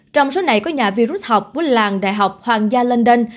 trong số này có nhà vi rút học của làng đại học hoàng gia london